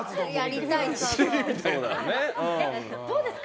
どうですか？